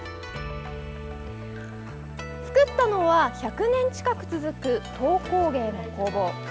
作ったのは１００年近く続く籐工芸の工房。